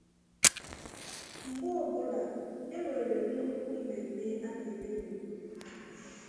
Mgbe ọbụla e nwere nnukwu mmemme a na-eme n’obodo